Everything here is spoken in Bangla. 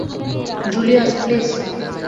Julius, please.